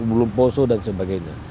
belum poso dan sebagainya